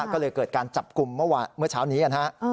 ก็เลยเกิดการจับกลุ่มเมื่อเช้านี้นะฮะ